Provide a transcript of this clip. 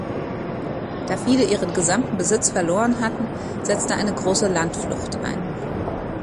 Da viele ihren gesamten Besitz verloren hatten, setzte eine große Landflucht ein.